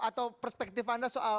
atau perspektif anda soal